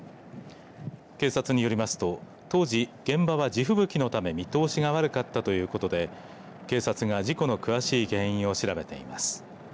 警察によりますと当時現場は地吹雪のため見通しが悪かったということで警察が事故の詳しい原因を調べています。